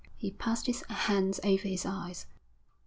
He passed his hands over his eyes.